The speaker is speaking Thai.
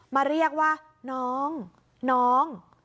มาเรียกว่าน้องน้อง